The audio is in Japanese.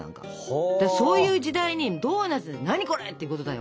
そういう時代にドーナツ何これ！ってことだよ。